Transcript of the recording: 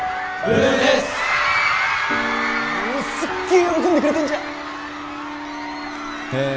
おすっげえ喜んでくれてんじゃん！